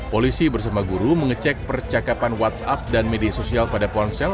polisi bersama guru mengecek percakapan whatsapp dan media sosial pada ponsel